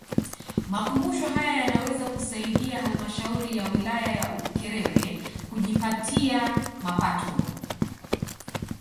Makumbusho haya yanaweza kuisaidia Halmashauri ya Wilaya ya Ukerewe kujipatia mapato